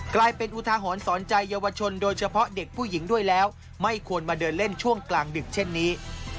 กลายเป็นอุทาหรณ์สอนใจเยาวชนโดยเฉพาะเด็กผู้หญิงด้วยแล้วไม่ควรมาเดินเล่นช่วงกลางดึกเช่นนี้